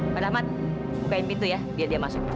pak rahmat bukain pintu ya biar dia masuk